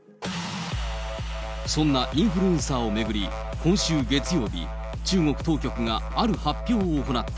そんなインフルエンサーを巡り、今週月曜日、中国当局がある発表を行った。